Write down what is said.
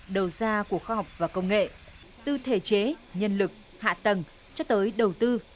đầu ra của khoa học và công nghệ từ thể chế nhân lực hạ tầng cho tới đầu tư